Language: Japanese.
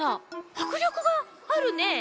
はくりょくがあるね。